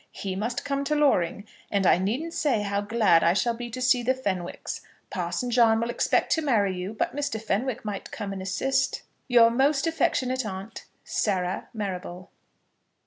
He must come to Loring; and I needn't say how glad I shall be to see the Fenwicks. Parson John will expect to marry you, but Mr. Fenwick might come and assist. Your most affectionate aunt, SARAH MARRABLE.